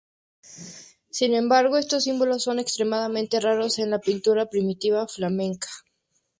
Sin embargo, estos símbolos son extremadamente raros en la pintura primitiva flamenca.